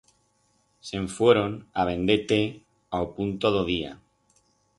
Se'n fuoron a vender té a o punto d'o día.